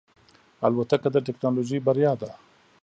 الوتکه د ټکنالوژۍ بریا ده.